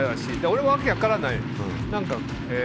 俺もわけ分からない